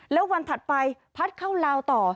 แล้ววันถัดไปพัดเข้าลาวต่อ